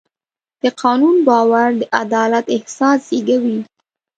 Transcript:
د قانون باور د عدالت احساس زېږوي.